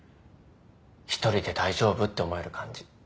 １人で大丈夫って思える感じ。